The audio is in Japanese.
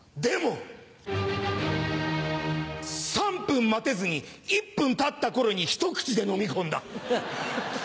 ３分待てずに１分たった頃にひと口でのみ込んだ。